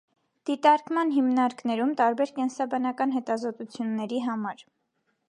Դիտարկման հիմնարկներում՝ տարբեր կենսաբանական հետազոտությունների համար։